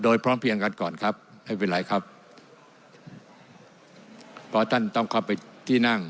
โดยพร้อมเพียงกันก่อนครับให้เวลาครับพอท่านต้องเข้าไปที่นั่ง